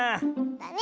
だね！